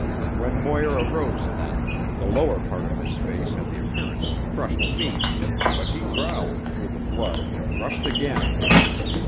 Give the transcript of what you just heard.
When Moir arose then, the lower part of his face had the appearance of crushed meat, but he growled through the blood and rushed again.